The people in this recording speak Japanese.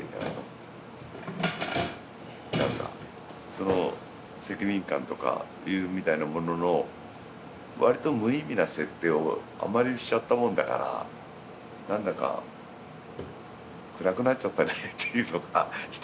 その責任感とかいうみたいなもののわりと無意味な設定をあまりしちゃったもんだから何だか暗くなっちゃったねっていうのが人の歴史みたいな気がする。